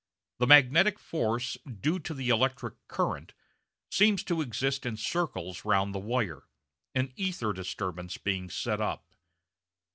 The magnetic force, due to the electric current, seems to exist in circles round the wire, an ether disturbance being set up.